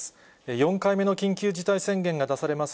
４回目の緊急事態宣言が出されます